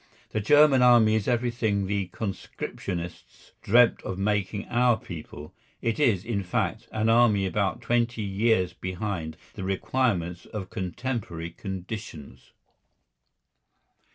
The German army is everything the Conscriptionists dreamt of making our people; it is, in fact, an army about twenty years behind the requirements of contemporary conditions.